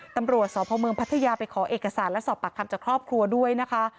ตำรวจสพเมืองพัทยาไปขอเอกสารและสอบปากคำจากครอบครัวด้วยนะคะ